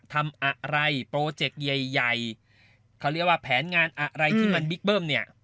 แต่ถือว่าดี